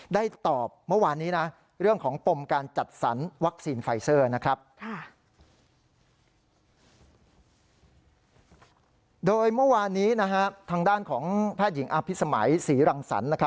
โดยเมื่อวานนี้นะครับทางด้านของแพทย์หญิงอาภิสมัยศรีรังสรรค์